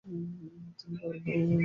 তিনি বারো ইমামের অন্যতম।